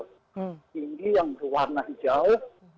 tinggi yang berwarna hijau